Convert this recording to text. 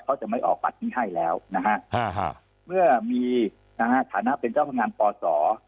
เขาจะไม่ออกปัดคือไห้แล้วนะฮะมีนะฮะฐานะเป็นเจ้าพันธ์งานป่อสอ